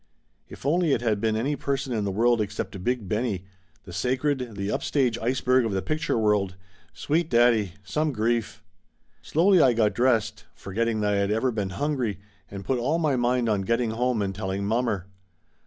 If only it had been any person in the world except Big Benny, the sacred, the upstage iceberg of the picture world ! Sweet daddy, some grief ! Slowly I got dressed, forgetting I had ever been hungry and put all my mind on getting home and telling mommer.